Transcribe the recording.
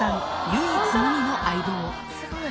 唯一無二の相棒。